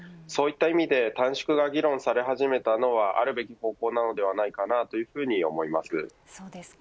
そういった意味で短縮が議論され始めたのはあるべき方向なのではないかというふうに思います。